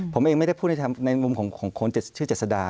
ผมเองไม่ได้พูดในมุมของคนชื่อเจษดา